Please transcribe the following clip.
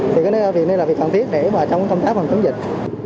thì cái việc này là việc cần thiết để mà trong công tác phòng chống dịch